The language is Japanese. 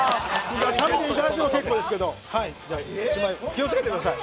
食べていただいても結構ですけど、１枚気をつけてください。